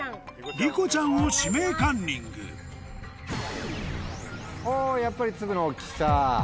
りこちゃんを指名カンニングおやっぱりつぶの大きさ。